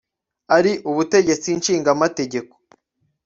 ari ubutegetsi nshingamategeko